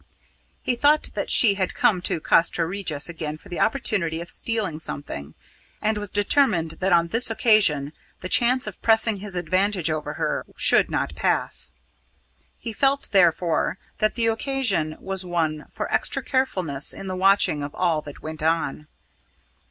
He thought that she had come to Castra Regis again for the opportunity of stealing something, and was determined that on this occasion the chance of pressing his advantage over her should not pass. He felt, therefore, that the occasion was one for extra carefulness in the watching of all that went on.